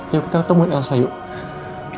yuk kita temuin elsa yuk